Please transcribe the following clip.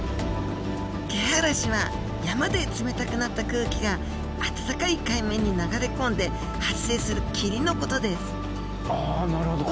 「けあらし」は山で冷たくなった空気が暖かい海面に流れ込んで発生する霧のことですああなるほど。